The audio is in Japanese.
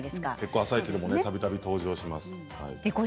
「あさイチ」でもたびたび登場します。